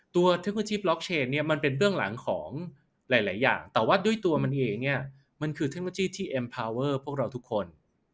เทคโนโลยีล็อกเชนเนี่ยมันเป็นเบื้องหลังของหลายอย่างแต่ว่าด้วยตัวมันเองเนี่ยมันคือเทคโนโลยีที่เอ็มพาเวอร์พวกเราทุกคน